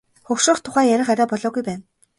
Хөгшрөх тухай ярих арай болоогүй байна.